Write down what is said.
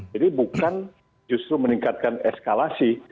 jadi bukan justru meningkatkan eskalasi